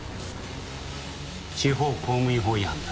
地方公務員法違反だ。